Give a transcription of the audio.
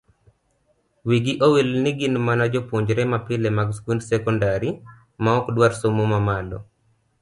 Wigi owil ni gin mana jopuonjre mapile mag skund sekondari maok dwar somo mamalo.